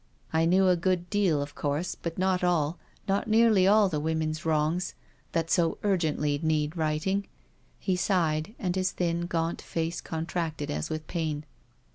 I knew a good deal, of course, but not all, not nearly all the woman's wrongs that so urgently need righting." He sighed, and his thin, gaunt face contracted as with pain.